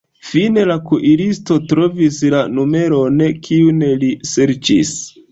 Fine la kuiristo trovis la numeron, kiun li serĉis.